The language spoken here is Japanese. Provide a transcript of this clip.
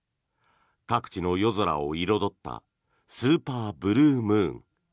各地の夜空を彩ったスーパーブルームーン。